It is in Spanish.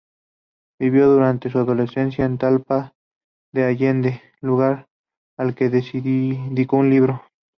Vivió durante su adolescencia en Talpa de Allende, lugar al que dedicó un libro.